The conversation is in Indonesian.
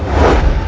aku mau makan